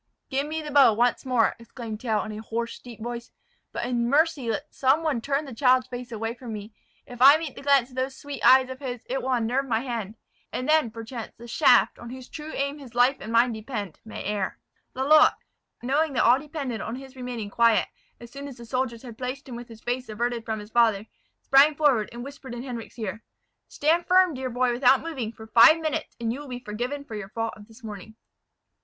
"Give me the bow once more!" exclaimed Tell, in a hoarse, deep voice; "but in mercy let some one turn the child's face away from me. If I meet the glance of those sweet eyes of his, it will unnerve my hand; and then, perchance, the shaft, on whose true aim his life and mine depend, may err." Lalotte, knowing that all depended on his remaining quiet, as soon as the soldiers had placed him with his face averted from his father, sprang forward, and whispered in Henric's ear, "Stand firm, dear boy, without moving, for five minutes, and you will be forgiven for your fault of this morning."